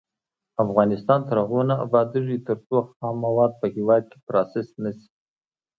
افغانستان تر هغو نه ابادیږي، ترڅو خام مواد په هیواد کې پروسس نشي.